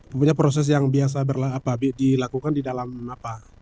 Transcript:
pokoknya proses yang biasa dilakukan di dalam apa